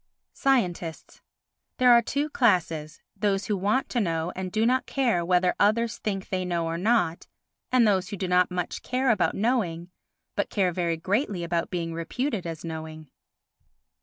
Scientists There are two classes, those who want to know and do not care whether others think they know or not, and those who do not much care about knowing but care very greatly about being reputed as knowing.